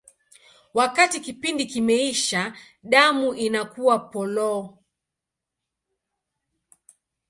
Wakati kipindi kimeisha, damu inakuwa polong.